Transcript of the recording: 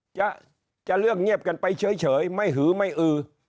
จะเรื่องเงียบกันไปเฉยไม่หือไม่อือ